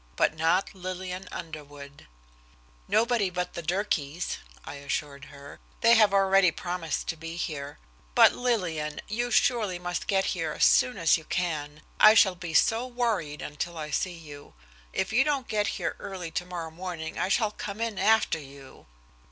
But not Lillian Underwood! "Nobody but the Durkees," I assured her. "They have already promised to be here. But, Lillian, you surely must get here as soon as you can. I shall be so worried until I see you. If you don't get here early tomorrow morning I shall come in after you."